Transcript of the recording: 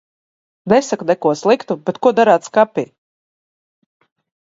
Nesaku neko sliktu, bet ko darāt skapī?